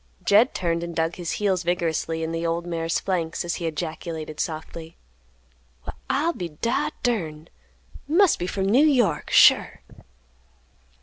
Jed turned and dug his heels vigorously in the old mare's flanks, as he ejaculated softly, "Well, I'll be dod durned! Must be from New York, sure!"